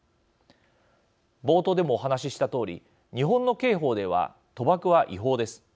冒頭でもお話ししたとおり日本の刑法では賭博は違法です。